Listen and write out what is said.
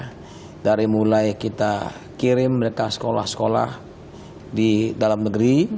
hai di jambi ini kita sekolahkan ya dari mulai kita kirim mereka sekolah sekolah di jambi ini kita sekolahkan ya dari mulai kita kirim mereka sekolah sekolah di